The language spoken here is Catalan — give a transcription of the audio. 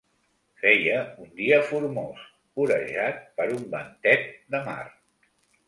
Feia un dia formós, orejat per un ventet de mar